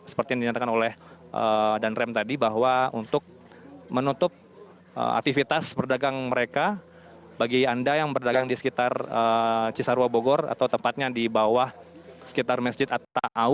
seperti yang dinyatakan oleh danrem tadi bahwa untuk menutup aktivitas berdagang mereka bagi anda yang berdagang di sekitar cisarua bogor atau tempatnya di bawah sekitar masjid atta au